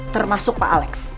termasuk pak alex